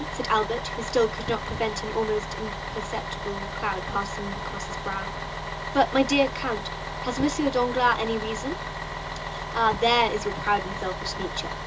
said Albert, who still could not prevent an almost imperceptible cloud passing across his brow. "But, my dear count, has M. Danglars any reason?" "Ah! there is your proud and selfish nature.